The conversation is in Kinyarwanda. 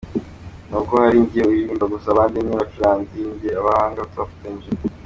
Ni uko ari njye uririmba gusa, abandi ni bacuranzi, ni abahanga twafatanyije.